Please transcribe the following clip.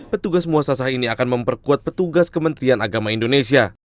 petugas muassasah ini akan memperkuat petugas kementerian agama indonesia